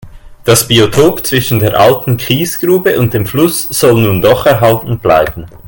Das Biotop zwischen der alten Kiesgrube und dem Fluss soll nun doch erhalten bleiben.